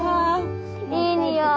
いい匂い。